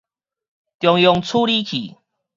中央處理器